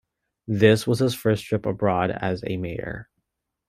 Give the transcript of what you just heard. This was his first trip abroad as a mayor.